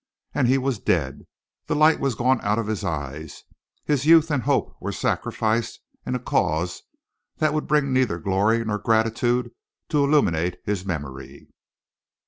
And he was dead, the light was gone out of his eyes, his youth and hope were sacrificed in a cause that would bring neither glory nor gratitude to illuminate his memory.